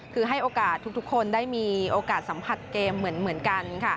คือให้โอกาสทุกคนได้มีโอกาสสัมผัสเกมเหมือนกัน